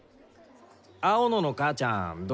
青野の母ちゃんどうなんだ？